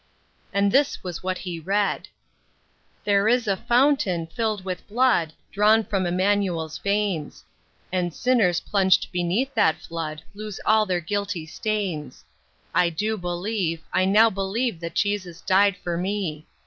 And this was what he read, — "There is a fountain filled with blood, Drawn from Immanuel's veins; And sinners plunged beneath that flood, Lose all their guilty stains. I do believe, I now believe that Jesus died for me.